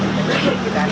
kita harus bicara